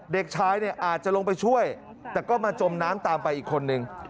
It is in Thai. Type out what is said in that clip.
เด็กชายเนี่ยอาจจะลงไปช่วยแต่ก็มาจมน้ำตามไปอีกคนนึง